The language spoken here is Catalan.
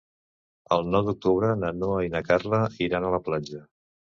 El nou d'octubre na Noa i na Carla iran a la platja.